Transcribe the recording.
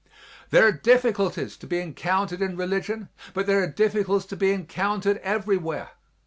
There are difficulties to be encountered in religion, but there are difficulties to be encountered everywhere.